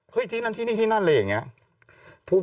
เฮ้ยที่นั้นที่นี่ที่นั่นเลยอย่างนี้